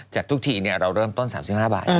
ทุกทีเราเริ่มต้น๓๕บาท